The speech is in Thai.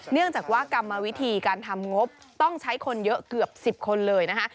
เนื่องจากว่ากรรมวิธีการทำงบต้องใช้คนเยอะเกือบ๑๐คนเลยนะคะ